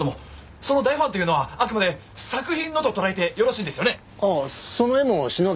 その大ファンというのはあくまで作品のと捉えてよろしいんですよね？